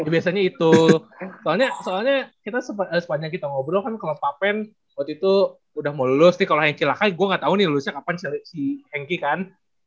biasanya itu soalnya kita sepanjang kita ngobrol kan kalo papen waktu itu udah mau lulus nih kalo henki lakai gue gak tau nih lulusnya kapan si henki kan